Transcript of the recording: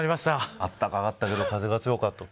あったかかったけど風が強かった。